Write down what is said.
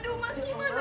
jangan gitu suara